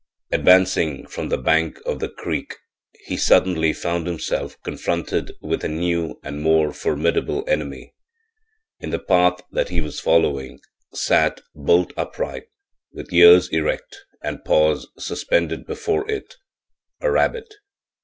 Advancing from the bank of the creek he suddenly found himself confronted with a new and more formidable enemy: in the path that he was following, sat, bolt upright, with ears erect and paws suspended before it, a rabbit!